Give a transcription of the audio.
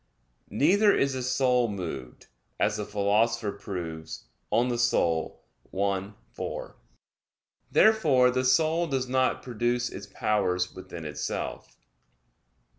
Neither is the soul moved, as the Philosopher proves (De Anima i, 4). Therefore the soul does not produce its powers within itself.